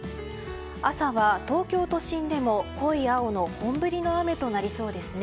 朝は東京都心でも濃い青の本降りの雨となりそうですね。